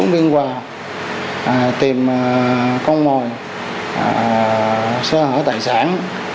điên hòa tìm con mồi xóa hở tài sản